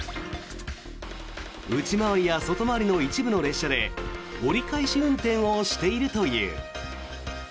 内回りや外回りの一部の列車で折り返し運転をしているという。